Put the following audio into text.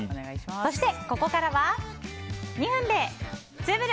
そして、ここからは２分でツウぶる！